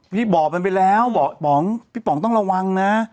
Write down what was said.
พี่บอกมันไปแล้วบอกป๋องพี่ป๋องต้องระวังนะ